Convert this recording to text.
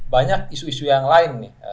banyak isu isu yang lain nih